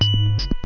tidak ada apa apa